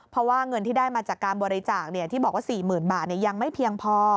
เพราะว่าเงินที่ได้มาจากการบริจาคที่บอกว่า๔๐๐๐บาทยังไม่เพียงพอ